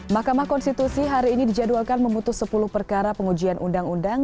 mahkamah konstitusi hari ini dijadwalkan memutus sepuluh perkara pengujian undang undang